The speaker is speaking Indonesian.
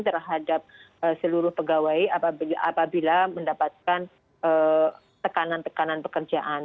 terhadap seluruh pegawai apabila mendapatkan tekanan tekanan pekerjaan